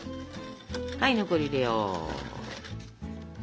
はい残り入れよう。